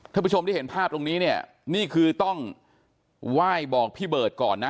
ผู้ชมที่เห็นภาพตรงนี้เนี่ยนี่คือต้องไหว้บอกพี่เบิร์ตก่อนนะ